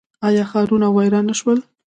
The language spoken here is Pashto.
آیا ښارونه ویران نه شول؟